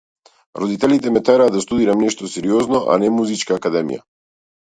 Родителите ме тераа да студирам нешто сериозно, а не музичка академија.